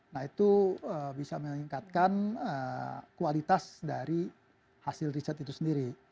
nah itu bisa meningkatkan kualitas dari hasil riset itu sendiri